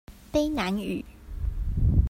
卑南語